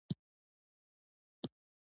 لرګی د انسان د تمدن پخوانۍ برخه ده.